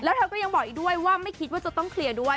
แล้วเธอก็ยังบอกอีกด้วยว่าไม่คิดว่าจะต้องเคลียร์ด้วย